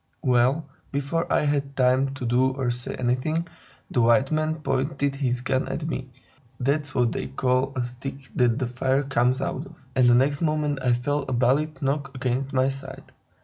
Well, before I had time to do or say anything, the white man pointed his gun at me (that's what they call the stick that the fire comes out of), and the next moment I felt a bullet knock against my side.